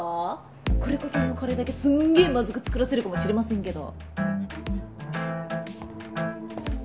久連木さんのカレーだけすっげえまずく作らせるかもしれませんけど。